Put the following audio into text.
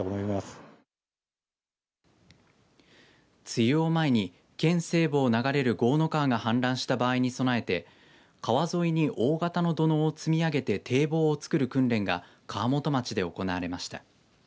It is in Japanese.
梅雨を前に県西部を流れる江の川が氾濫した場合に備えて川沿いに大型の土のうを積み上げて堤防をつくる訓練が川本町で行われました。